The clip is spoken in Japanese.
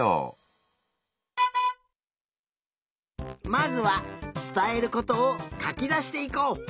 まずはつたえることをかきだしていこう。